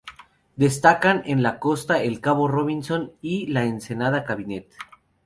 Destacan en la costa el cabo Robinson y la ensenada Cabinet.